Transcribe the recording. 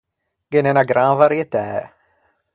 Ghe n’é unna gran varietæ.